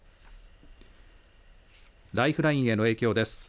ライフラインへの影響です。